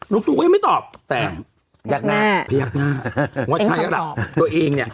ตูก็ยังไม่ตอบแต่ยักหน้าพยักหน้าว่าใช่แล้วล่ะตัวเองเนี่ย